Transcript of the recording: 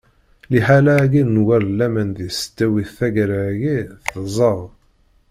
Liḥala-agi n war laman di tesdawit taggara-agi, tzad.